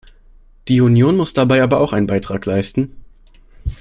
Die Union muss dabei aber auch einen Beitrag leisten.